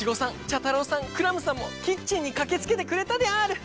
クラムさんもキッチンにかけつけてくれたである！